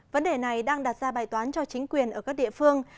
vấn đề này đang đặt ra bài toán cho chính quyền ở các địa phương